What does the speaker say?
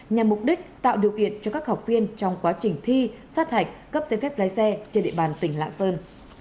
nhằm mục đích tạo điều kiện cho các học viên trong quá trình thi sát hạch cấp giấy phép lái xe trên địa bàn tỉnh lạng sơn